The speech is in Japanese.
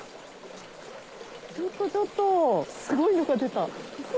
ちょっとちょっとすごいのが出た。